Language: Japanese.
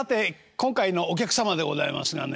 今回のお客様でございますがね